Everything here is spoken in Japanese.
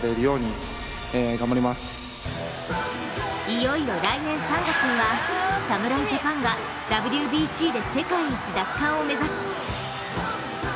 いよいよ来年３月には侍ジャパンがＷＢＣで世界一奪還を目指す。